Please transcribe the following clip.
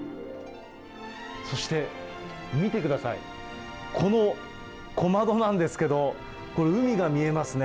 そして、見てください、この小窓なんですけれども、これ、海が見えますね。